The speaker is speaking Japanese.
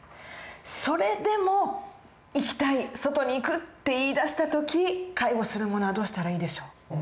それでも「行きたい外に行く」って言いだした時介護する者はどうしたらいいでしょう？